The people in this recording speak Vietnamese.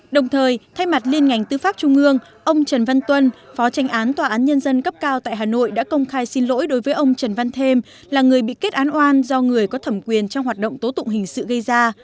đồng thời thay mặt liên ngành tư pháp trung ương ông trần văn tuân phó tranh án tòa án nhân dân cấp cao tại hà nội đã công khai xin lỗi đối với ông trần văn thêm là người bị kết án oan do người có thẩm quyền trong hoạt động tố tụng hình sự gây ra